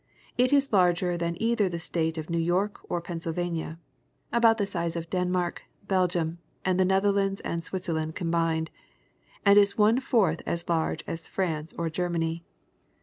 It is larger than either the State of New York or Pennsylvania, about the size of Denmark, Belgium, the Netherlands and Switzerland combined, and is one fourth as large as France or Germany.